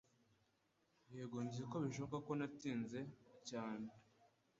Yego nzi ko bishoboka ko natinze cyane